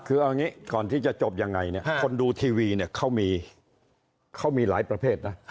คือเอางี้ก่อนที่จะจบยังไงเนี่ยคนดูทีวีเนี่ยเขามีหลายประเภทนะ